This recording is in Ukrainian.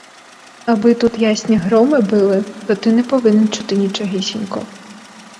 Аби тут ясні громи били, то ти не повинен чути нічогісінько.